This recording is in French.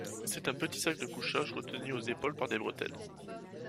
C’est un petit sac de couchage retenu aux épaules par des bretelles.